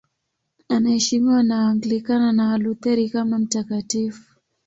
Anaheshimiwa na Waanglikana na Walutheri kama mtakatifu.